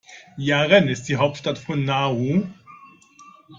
Yaren ist die Hauptstadt von Nauru.